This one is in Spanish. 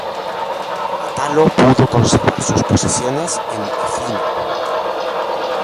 Atalo pudo conservar sus posesiones en Egina.